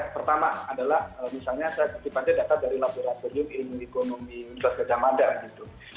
pertama adalah misalnya saya kutip aja data dari laboratorium ilmu ekonomi klas gajah madang gitu